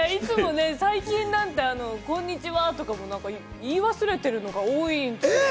最近「こんにちは」とかも言い忘れているのが多いんですよ。